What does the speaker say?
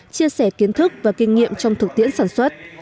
chia sẻ kiến thức và kinh nghiệm trong thực tiễn sản xuất